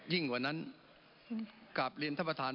ยิ่งกว่านั้นกลับเรียนท่านประธาน